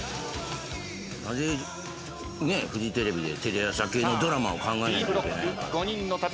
なぜフジテレビでテレ朝系のドラマを考えないといけないのか。